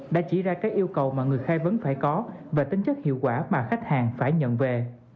đã chỉ ra các yêu cầu mà người khai vấn phải có và tính chất hiệu quả mà khách hàng phải nhận về